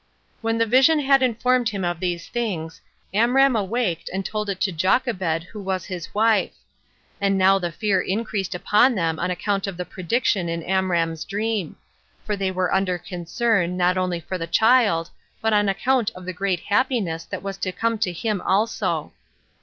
4. When the vision had informed him of these things, Amram awaked and told it to Jochebed who was his wife. And now the fear increased upon them on account of the prediction in Amram's dream; for they were under concern, not only for the child, but on account of the great happiness that was to come to him also.